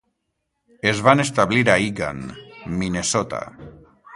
Es van establir a Eagan, Minnesota.